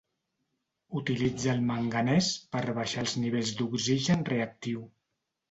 Utilitza el manganès per baixar els nivells d'oxigen reactiu.